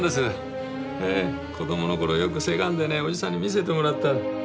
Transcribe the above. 子どもの頃よくせがんでねおじさんに見せてもらった。